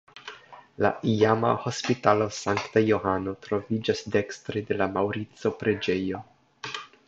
La iama Hospitalo Sankta Johano troviĝas dekstre de la Maŭrico-preĝejo.